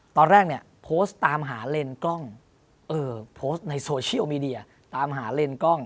ตอนแรกเนี่ยโพสต์ตามหาเลนส์กล้องโพสต์ในโซเชียลมีเดียตามหาเลนกล้อง